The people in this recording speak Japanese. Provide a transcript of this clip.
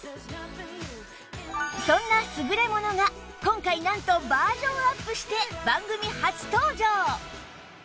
そんな優れものが今回なんとバージョンアップして番組初登場